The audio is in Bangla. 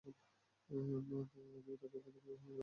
তাই, আমিও তাকে একান্ত কিছু সময় দেওয়ার কথা ভাবলাম।